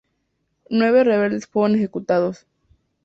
Nueve rebeldes fueron ejecutados.